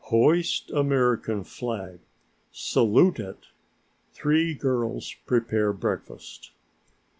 Hoist American flag, salute it. Three girls prepare breakfast.